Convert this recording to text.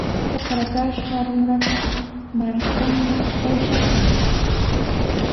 Uqrakashqa runata markanman pusharqan.